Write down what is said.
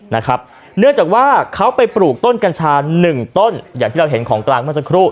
เนื่องจากว่าเขาไปปลูกต้นกัญชาหนึ่งต้นอย่างที่เราเห็นของกลางเมื่อสักครู่